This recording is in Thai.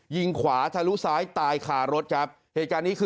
ขวาทะลุซ้ายตายคารถครับเหตุการณ์นี้คือ